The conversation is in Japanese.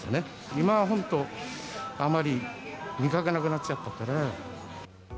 今は本当、あまり見かけなくなっちゃったから。